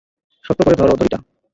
শক্ত করে ধরো দড়িটা!